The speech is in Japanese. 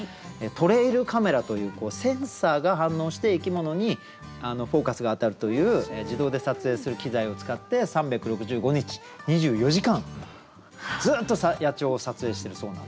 トレイルカメラというセンサーが反応して生き物にフォーカスが当たるという自動で撮影する機材を使って３６５日２４時間ずっと野鳥を撮影しているそうなんです。